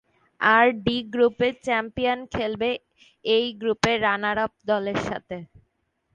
আর D গ্রুপের champion খেলবে এই গ্রুপের রানার-আপ দলের সাথে।